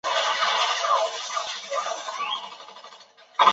上分停车区是位于爱媛县四国中央市的松山自动车道之休息区。